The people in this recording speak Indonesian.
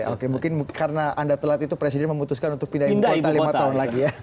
oke mungkin karena anda telat itu presiden memutuskan untuk pindah ibu kota lima tahun lagi ya